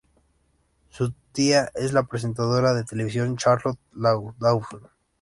Su tía es la presentadora de televisión Charlotte Dawson.